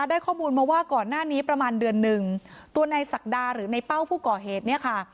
ได้ข้อมูลมาว่าก่อนหน้านี้ประมาณเดือนหนึ่งตัวในศักดาหรือในเป้าผู้ก่อเหตุเนี่ยค่ะ